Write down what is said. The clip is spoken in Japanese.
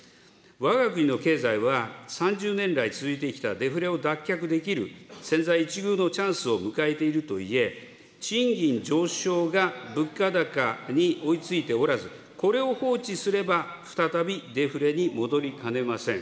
わが国の経済は３０年来続いてきたデフレを脱却できる千載一遇のチャンスを迎えているとはいえ、賃金上昇が物価高に追いついておらず、これを放置すれば、再びデフレに戻りかねません。